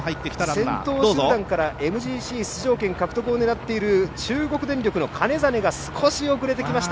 先頭集団からＭＧＣ出場権獲得を狙っている中国電力の兼実が少し遅れてきました。